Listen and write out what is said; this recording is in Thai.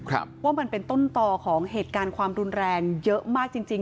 ว่ามันเป็นต้นต่อของเหตุการณ์ความรุนแรงเยอะมากจริงจริง